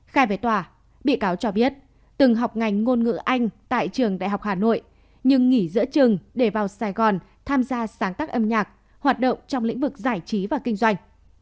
khai về tòa bị cáo cho biết từng học ngành ngôn ngữ anh tại trường đại học hà nội nhưng nghỉ giữa trường để vào sài gòn tham gia sáng tác âm nhạc hoạt động trong lĩnh vực giải trí và kinh doanh